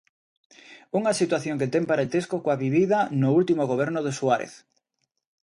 Unha situación que ten parentesco coa vivida no último goberno de Suárez.